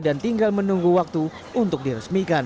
dan tinggal menunggu waktu untuk diresmikan